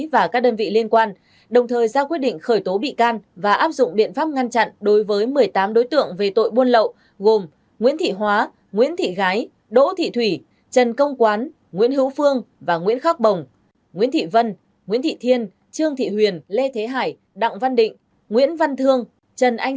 và cái này thì lực lượng công an trong thời gian qua đã thể hiện rõ cái vai trò nong cốt